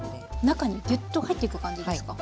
中にぎゅっと入っていく感じですか。